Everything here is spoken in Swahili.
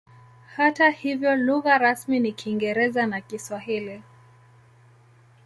Hata hivyo lugha rasmi ni Kiingereza na Kiswahili.